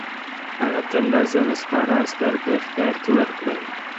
هغه ته لس زره سپاره عسکر په اختیار کې ورکړل.